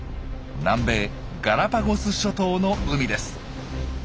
南米ガラパゴス諸島の海です。